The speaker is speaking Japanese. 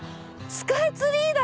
スカイツリーだ！